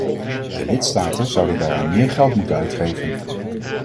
De lidstaten zouden daaraan meer geld moeten uitgeven.